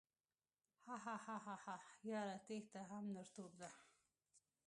هههههه یاره تیښته هم نرتوب ده